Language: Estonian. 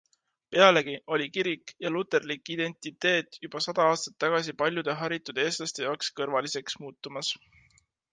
Pealegi oli kirik ja luterlik identiteet juba sada aastat tagasi paljude haritud eestlaste jaoks kõrvaliseks muutumas.